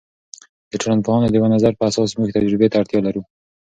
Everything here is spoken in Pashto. د ټولنپوهانو د یوه نظر په اساس موږ تجربې ته اړتیا لرو.